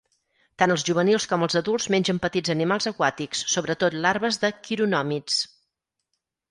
Tant els juvenils com els adults mengen petits animals aquàtics, sobretot larves de quironòmids.